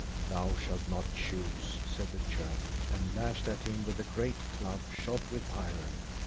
Thou shalt not choose, said the churl, and lashed at him with a great club shod with iron.